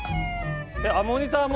モニターも？